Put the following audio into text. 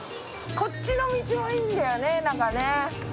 こっちの道もいいんだよねなんかね。